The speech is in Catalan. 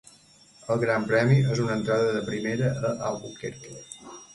El gran premi és una entrada de primera a Albuquerque.